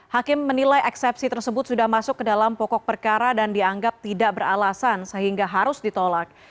hakim menilai eksepsi tersebut sudah masuk ke dalam pokok perkara dan dianggap tidak beralasan sehingga harus ditolak